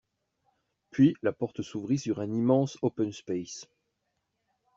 puis la porte s’ouvrit sur un immense open space,